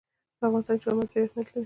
په افغانستان کې چار مغز ډېر اهمیت لري.